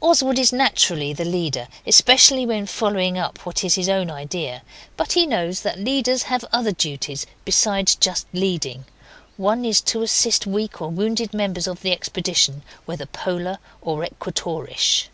Oswald is naturally the leader, especially when following up what is his own idea, but he knows that leaders have other duties besides just leading. One is to assist weak or wounded members of the expedition, whether Polar or Equatorish.